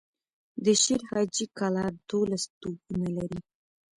د شير حاجي کلا دولس توپونه لري.